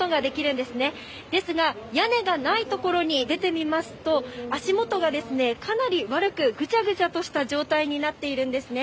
ですが、屋根がない所に出てみますと、足元がですね、かなり悪く、ぐちゃぐちゃとした状態になっているんですね。